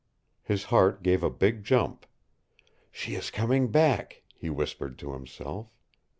His heart gave a big jump. "She is coming back," he whispered to himself.